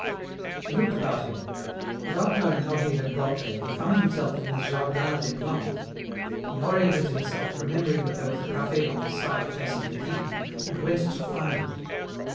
He looked about him. Without knowing how he had got there he found himself in the Jardin des Plantes. He oriented himself, remembered that there was a café on the side facing the quay, and went to find it.